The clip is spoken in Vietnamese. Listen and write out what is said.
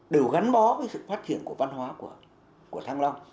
đều gắn bó với sự phát triển của văn hóa của thăng long